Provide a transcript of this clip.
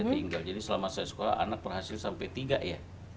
tinggal jadi selama saya sekolah anak berhasil sampai tiga ya